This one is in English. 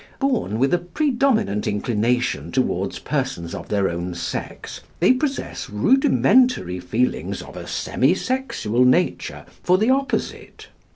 Born with a predominant inclination towards persons of their own sex, they possess rudimentary feelings of a semi sexual nature for the opposite.